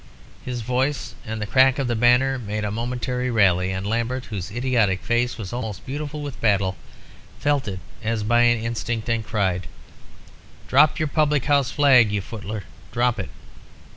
"His voice and the crack of the banner made a momentary rally, and Lambert, whose idiotic face was almost beautiful with battle, felt it as by an instinct, and cried "'Drop your public house flag, you footler! Drop it!'